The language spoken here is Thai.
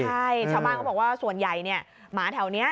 ใช่ชาวบ้านเขาบอกว่าส่วนใหญ่เนี่ยหมาแถวนี้